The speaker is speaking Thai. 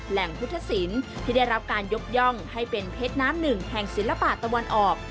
แหล่งพุทธศิลป์ที่ได้รับการยกย่องให้เป็นเพชรน้ำหนึ่งแห่งศิลปะตะวันออก